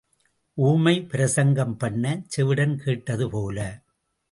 ஊமை பிரசங்கம் பண்ணச் செவிடன் கேட்டது போல.